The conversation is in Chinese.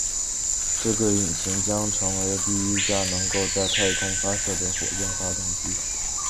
这个的引擎将成为第一架能够在太空发射的火箭发动机。